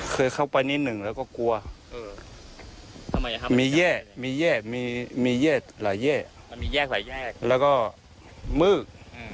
เคยเข้าไปนิดหนึ่งแล้วก็กลัวมีแยกมีแยกมีแยกหลายแยกแล้วก็มืด